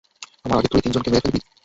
আমার আগে তুই ওই তিনজনকে মেরে ফেলবি?